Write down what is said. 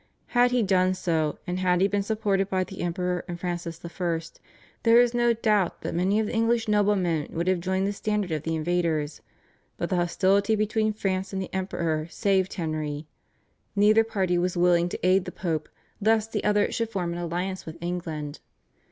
Had he done so, and had he been supported by the Emperor and Francis I. there is no doubt that many of the English noblemen would have joined the standard of the invaders, but the hostility between France and the Emperor saved Henry. Neither party was willing to aid the Pope lest the other should form an alliance with England.